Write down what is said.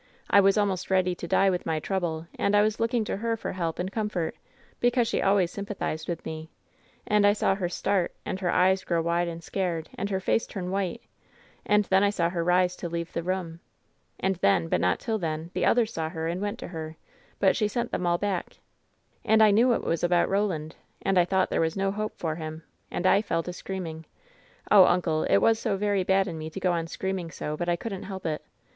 I was almost ready to die with my trouble, and I was looking to her for help and comfort — ^because she always sympathized with me — and I saw her start, and her eyes grow wide and scared, and her face turn white; and then I saw her rise to leave the room. And then, but not till then, the others saw her, and went to her; but she sent them all back. And I knew it was about Eoland, and I thought there was no hope for him, and I fell to screaming. Oh, imcle, it was so very bad in me to go on screaming so, but I couldn't help it.